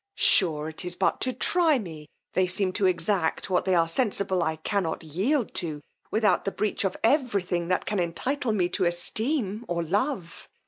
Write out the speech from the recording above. Sure it is but to try me, they seem to exact what they are sensible I cannot yield to, without the breach of every thing that can entitle me to esteem or love!